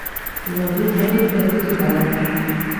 Уларҙы һәр ерҙә көтөп алалар.